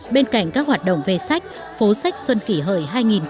bên cạnh các hoạt động về sách phố sách xuân kỷ hợi hai nghìn một mươi chín